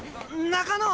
中野！